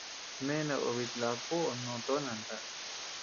Sne naobe it laʼa kuoʼo no toʼo nanta.